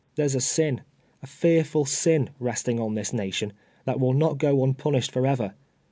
There's a sin, a fearful sin, resting on this nation, that will not go unpunished forever.